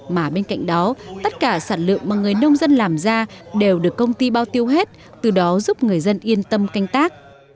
mà bên cạnh đó tất cả sản lượng mà người nông dân làm ra đều được công ty bao tiêu hết từ đó giúp người dân yên tâm canh tác